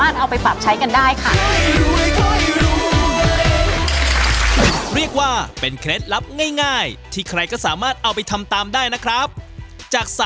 ที่คนทำการค้าการขายสามารถเอาไปปรับใช้กันได้ค่ะ